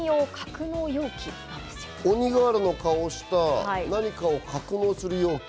鬼瓦の顔をした何かを格納する容器。